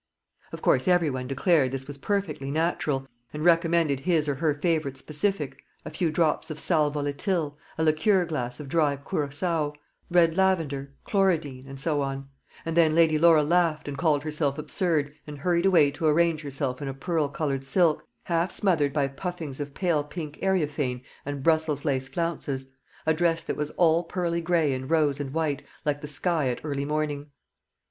Of course every one declared this was perfectly natural, and recommended his or her favourite specific a few drops of sal volatile a liqueur glass of dry curaçoa red lavender chlorodyne and so on; and then Lady Laura laughed and called herself absurd, and hurried away to array herself in a pearl coloured silk, half smothered by puffings of pale pink areophane and Brussels lace flounces; a dress that was all pearly gray and rose and white, like the sky at early morning.